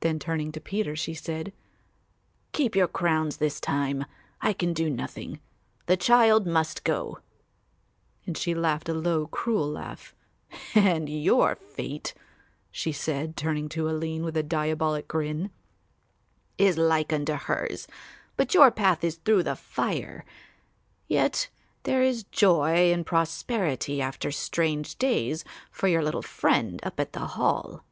Then turning to Peter she said: "Keep your crowns this time; I can do nothing; the child must go," and she laughed a low cruel laugh, "and your fate," she said, turning to Aline with a diabolic grin, "is like unto hers; but your path is through the fire; yet there is joy and prosperity after strange days for your little friend up at the Hall."